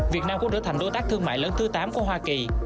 việt nam cũng trở thành đối tác thương mại lớn thứ tám của hoa kỳ